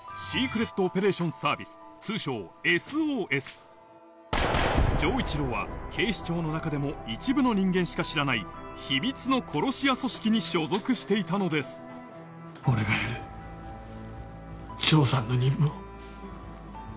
通称ＳＯＳ丈一郎は警視庁の中でも一部の人間しか知らない秘密の殺し屋組織に所属していたのです俺がやる丈さんの任務を。